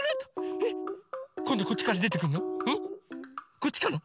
こっちかな？